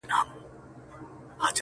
بلکي د نوي وجود رامنځته کېدل هدف دی